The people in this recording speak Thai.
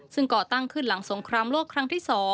ซึ่งก่อตั้งขึ้นหลังสงครามโลกครั้งที่๒